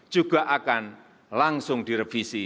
juga akan langsung direvisi